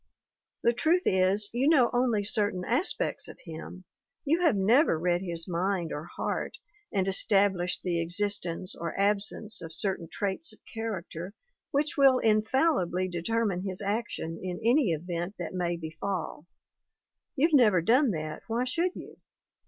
The truth is, you know only certain aspects of him; you have never read his mind or heart and established the ex istence or absence of certain traits of character which will infallibly determine his action in any event that may befall. You've never done that why should you